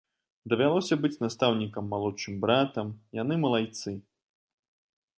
Давялося быць настаўнікам малодшым братам, яны малайцы!